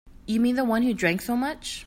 You mean the one who drank so much?